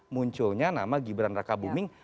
munculnya nama gibran raka buming